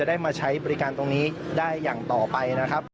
มาดูบรรจากาศมาดูความเคลื่อนไหวที่บริเวณหน้าสูตรการค้า